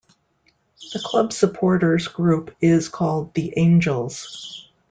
The club's supporters group is called the Angels.